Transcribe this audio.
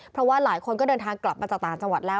เพราะว่าหลายคนก็เดินทางกลับมาจากต่างจังหวัดแล้ว